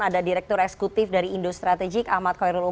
ada direktur eksekutif dari indo strategik ahmad koirul umam